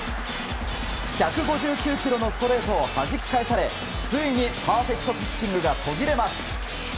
１５９キロのストレートをはじき返されついにパーフェクトピッチングが途切れます。